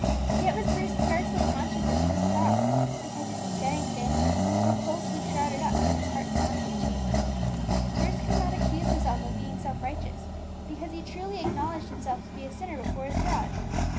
Yet was Bruce scarcely conscious that he was proud, because his besetting sin was so closely shrouded up in his heart's haunted chamber. Bruce could not accuse himself of being self righteous, because he truly acknowledged himself to be a sinner before his God.